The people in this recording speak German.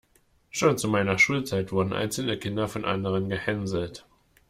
Schon zu meiner Schulzeit wurden einzelne Kinder von anderen gehänselt.